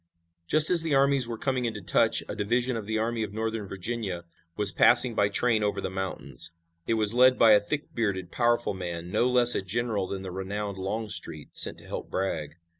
Just as the armies were coming into touch a division of the Army of Northern Virginia was passing by train over the mountains. It was led by a thick bearded, powerful man, no less a general than the renowned Longstreet, sent to help Bragg.